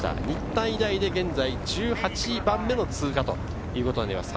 日体大で現在１８番目の通過ということです。